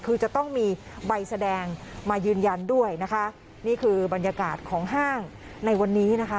คือจะต้องมีใบแสดงมายืนยันด้วยนะคะนี่คือบรรยากาศของห้างในวันนี้นะคะ